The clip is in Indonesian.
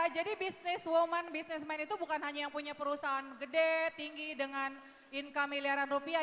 jadi bisnis woman bisnisman itu bukan hanya yang punya perusahaan gede tinggi dengan income miliaran rupiah